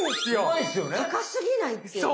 高すぎないっていうね。